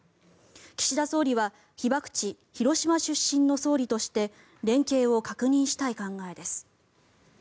岸田総理は被爆地・広島出身の総理として連携を確認したい考えです。